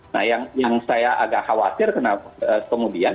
nah yang saya agak khawatir kemudian